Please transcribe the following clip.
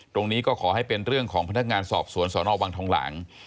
ตรงนี้ก็ขอให้เป็นเรื่องของพนักงานสอบสวนสนวังทองหลาง